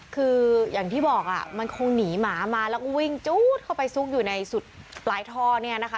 คืออย่างที่บอกมันคงหนีหมามาแล้วก็วิ่งจู๊ดเข้าไปซุกอยู่ในสุดปลายท่อเนี่ยนะคะ